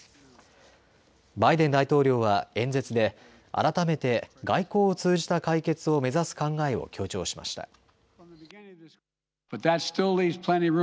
バイデン大統領は演説で改めて外交を通じた解決を目指す考えを強調しました。